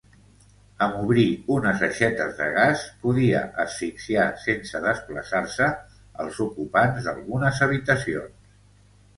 Amb obrir unes aixetes de gas, podia asfixiar sense desplaçar-se als ocupants d'algunes habitacions.